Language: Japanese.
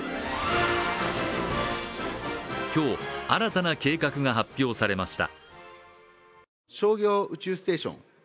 今日、新たな計画が発表されました。